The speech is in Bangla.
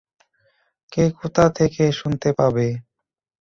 কে কোথা থেকে শুনতে পাবে।